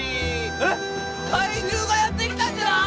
えっ怪獣がやって来たんじゃない？